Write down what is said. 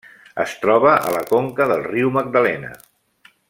Es troba a la conca del riu Magdalena.